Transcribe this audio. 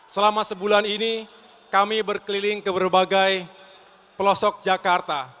selama sebulan ini kami berkeliling ke berbagai pelosok jakarta